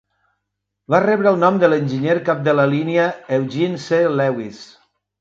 Va rebre el nom de l'enginyer cap de la línia, Eugene C. Lewis.